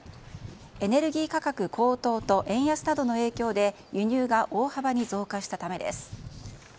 エネルギー価格高騰と円安などの影響で輸入が大幅に増加したためです。